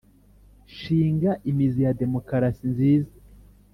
Shinga imizi ya Demokarasi nziza